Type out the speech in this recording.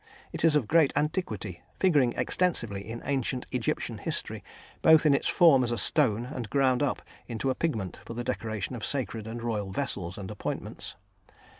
It is of great antiquity, figuring extensively in ancient Egyptian history, both in its form as a stone and ground up into a pigment for the decoration of sacred and royal vessels and appointments.